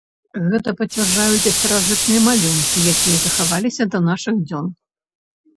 Гэта пацвярджаюць і старажытныя малюнкі, якія захаваліся да нашых дзён.